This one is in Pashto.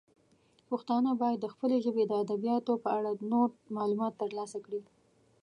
پښتانه باید د خپلې ژبې د ادبیاتو په اړه نور معلومات ترلاسه کړي.